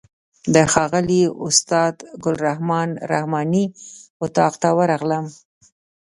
د ښاغلي استاد ګل رحمن رحماني اتاق ته ورغلم.